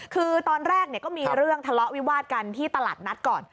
คือตอนแรกก็มีเรื่องทะเลาะวิวาดกันที่ตลาดนัดก่อน